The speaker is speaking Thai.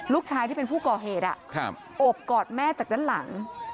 ลูกชายที่เป็นผู้ก่อเหตุโอบกอดแม่จากด้านหลัง